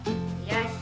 よし。